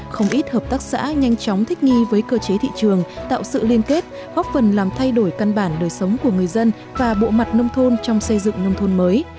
không ít hợp tác xã nhanh chóng thích nghi với cơ chế thị trường tạo sự liên kết góp phần làm thay đổi căn bản đời sống của người dân và bộ mặt nông thôn trong xây dựng nông thôn mới